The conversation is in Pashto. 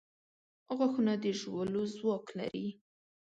• غاښونه د ژولو ځواک لري.